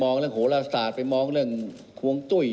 ก็จะไปมองโหลาสตาร์ตไปมองหวงตุ้ย